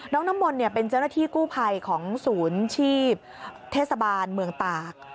น้องน้ำมนต์เป็นเจ้าหน้าที่กู้ภัยของศูนย์ชีพเทศบาลเมืองตาก